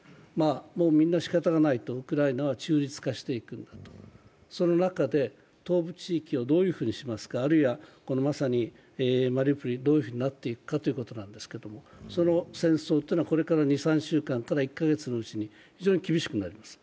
もうみんなしかたがないと、ウクライナは中立化していく、その中で、東部地域をどういうふうにしますか、あるいはまさにマリウポリどういうふうになっていくかということなんですけれども、その戦争は、これから２３週間から１カ月の間、非常に厳しくなります。